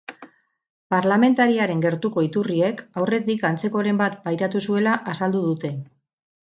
Parlamentariaren gertuko iturriek aurretik antzekoren bat pairatu zuela azaldu dute.